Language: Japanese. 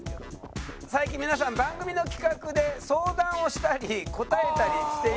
最近皆さん番組の企画で相談をしたり答えたりしていませんか？